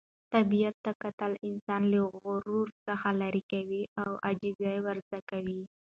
طبیعت ته کتل انسان له غرور څخه لیرې کوي او عاجزي ور زده کوي.